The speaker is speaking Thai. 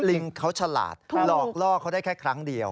ลิงเขาฉลาดหลอกล่อเขาได้แค่ครั้งเดียว